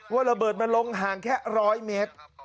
ว่าระเบิดมันลงห่างแค่ร้อยเมตร